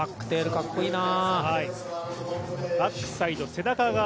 かっこいいな。